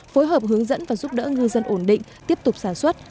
phối hợp hướng dẫn và giúp đỡ ngư dân ổn định tiếp tục sản xuất